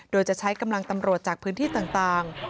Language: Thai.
โดยจะใช้กำลังตำรวจจากพื้นที่ต่าง